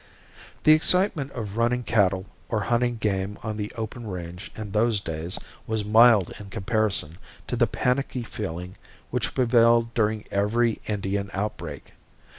The excitement of running cattle or hunting game on the open range in those days was mild in comparison to the panicky feeling which prevailed during every Indian outbreak.